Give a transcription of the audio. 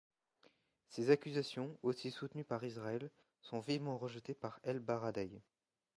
Ces accusations, aussi soutenues par Israël, sont vivement rejetées par El-Baradei.